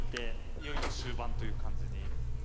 いよいよ終盤という感じに。